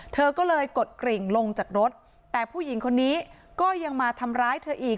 เธอก็เลยกดกริ่งลงจากรถแต่ผู้หญิงคนนี้ก็ยังมาทำร้ายเธออีก